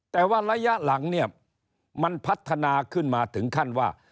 แต่ว่าระยะหลังเนี่ยมันพัฒนาขึ้นมาถึงขั้นว่า